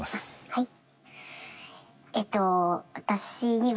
はい。